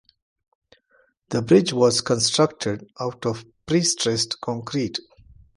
The bridge was constructed out of pre-stressed concrete.